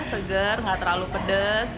seger nggak terlalu pedas